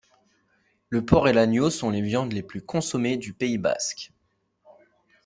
Le porc et l'agneau sont les viandes les plus consommées du Pays basque.